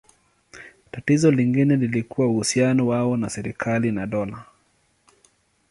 Tatizo lingine lilikuwa uhusiano wao na serikali na dola.